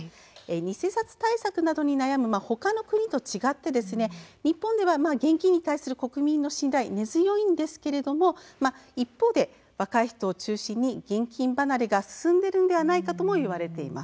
偽札対策などに悩むほかの国と違って日本では現金に対する国民の信頼根強いんですけれども一方で若い人を中心に現金離れが進んでいるのではないかとも言われています。